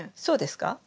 そうですか？